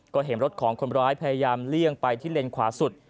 ก็เห็นรถของคนร้ายพยายามเลี่ยงไปที่เลนขวาสุด